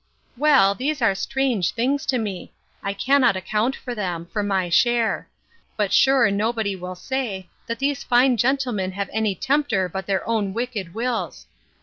Well, these are strange things to me! I cannot account for them, for my share; but sure nobody will say, that these fine gentlemen have any tempter but their own wicked wills!